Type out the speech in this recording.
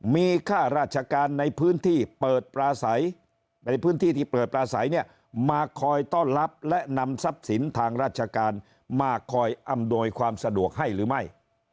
๔มีค่าราชการในพื้นที่เปิดปลาใสมาคอยต้อนรับและนำทรัพย์สินทางราชการมาคอยอำนวยความสะดวกให้หรือไม่